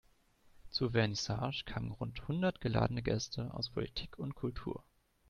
Zur Vernissage kamen rund hundert geladene Gäste aus Politik und Kultur.